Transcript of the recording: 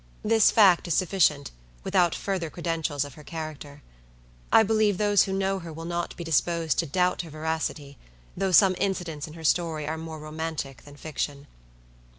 This fact is sufficient, without further credentials of her character. I believe those who know her will not be disposed to doubt her veracity, though some incidents in her story are more romantic than fiction.